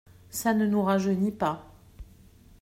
Ça ne nous rajeunit pas…